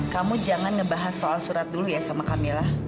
kamu jangan ngebahas soal surat dulu ya sama kamila